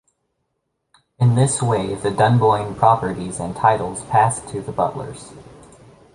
In this way, the Dunboyne properties and titles passed to the Butlers.